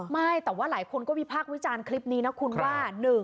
ไม่แต่ว่าหลายคนก็วิพากษ์วิจารณ์คลิปนี้นะคุณว่า